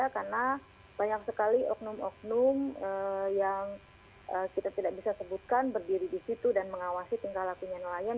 karena banyak sekali oknum oknum yang kita tidak bisa sebutkan berdiri di situ dan mengawasi tingkah lakunya nelayan